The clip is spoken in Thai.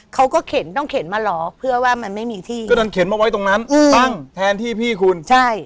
เขาก็เข็นต้องเข็นมาเหรอเพื่อว่ามันไม่มีที่ก็ดันเข็นมาไว้ตรงนั้นอืมตั้งแทนที่พี่คุณใช่